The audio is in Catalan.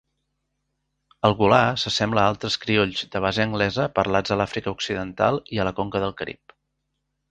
El gullah s'assembla a altres criolls de base anglesa parlats a l'Àfrica occidental i a la conca del Carib.